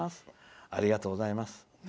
ありがとうございます。